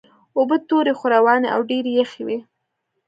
اوبه تورې خو روانې او ډېرې یخې وې.